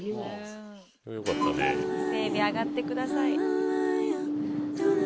伊勢えび揚がってください。